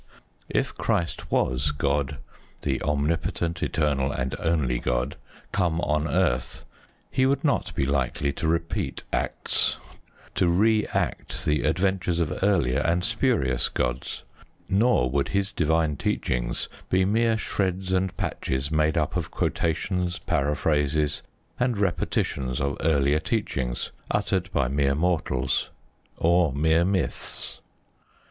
If Christ was God the omnipotent, eternal, and only God come on earth, He would not be likely to repeat acts, to re act the adventures of earlier and spurious gods; nor would His divine teachings be mere shreds and patches made up of quotations, paraphrases, and repetitions of earlier teachings, uttered by mere mortals, or mere myths.